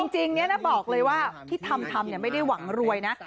จริงนี้นะบอกเลยว่าที่ทำทำไม่ได้หวังรวยนะ